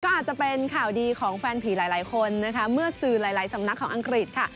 อาจจะเป็นข่าวดีของแฟนผีหลายหลายคนนะคะเมื่อสื่อหลายสำนักของอังกฤษค่ะ